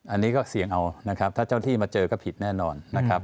อันนี้ก็เสี่ยงเอานะครับถ้าเจ้าที่มาเจอก็ผิดแน่นอนนะครับ